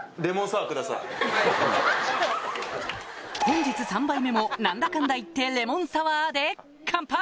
本日３杯目も何だかんだ言ってレモンサワーで乾杯！